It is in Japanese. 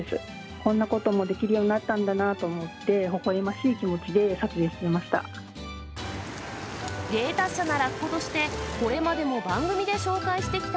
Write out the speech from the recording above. こんなこともできるようになったんだなと思って、ほほえましい気持ちで撮影していました。